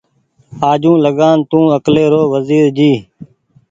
آجوٚنٚ لگآن تونٚ اڪلي رو وزير جي